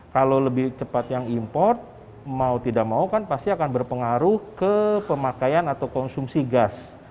kalau lebih cepat yang import mau tidak mau kan pasti akan berpengaruh ke pemakaian atau konsumsi gas